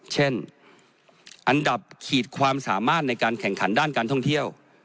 เช่นอันดับขีดความสามารถในการแข่งขันด้านการท่องเที่ยว